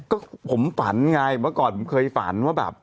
ก็ผมฝันไงเมื่อก่อนผมเคยฝันว่าแบบ